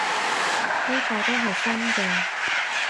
呢個都係新嘅